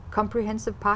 có rất nhiều